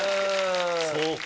そうか。